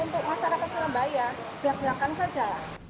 untuk masyarakat surabaya belak belakan saja lah